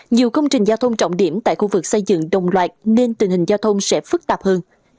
nhiều công trình giao thông trọng điểm tại khu vực xây dựng đồng loạt nên tình hình giao thông sẽ phức tạp hơn